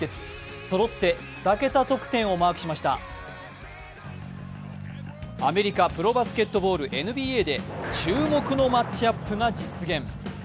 そろって２桁得点をマークしましたアメリカ・プロバスケットボールＮＢＡで注目のマッチアップが実現。